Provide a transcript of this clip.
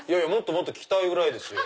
もっと聞きたいぐらいですよ。